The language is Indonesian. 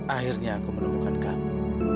akhirnya aku menemukan kamu